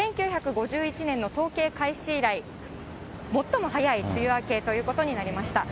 １９５１年の統計開始以来、最も早い梅雨明けということになりました。